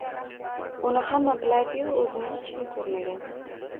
Uni hamma biladi-yu, o`zini hech kim ko`rmagan